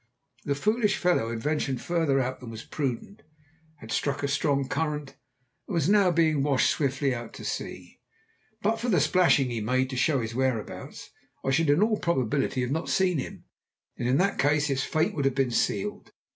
The foolish fellow had ventured farther out than was prudent, had struck a strong current, and was now being washed swiftly out to sea. But for the splashing he made to show his whereabouts, I should in all probability not have seen him, and in that case his fate would have been sealed.